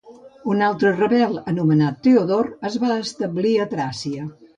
Un altre rebel, anomenat Teodor, es va establir a Tràcia.